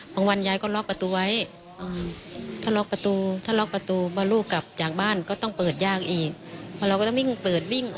เราก็ต้องเข้าออกแบบต่อเริ่ม